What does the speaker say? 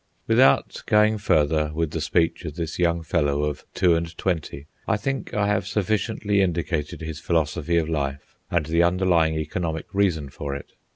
Without going further with the speech of this young fellow of two and twenty, I think I have sufficiently indicated his philosophy of life and the underlying economic reason for it.